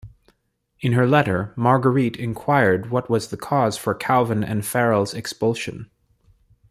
In her letter, Marguerite inquired what was the cause for Calvin and Farel's expulsion.